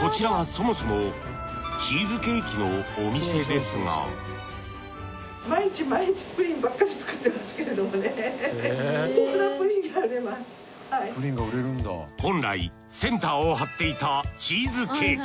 こちらはそもそもチーズケーキのお店ですが本来センターを張っていたチーズケーキ。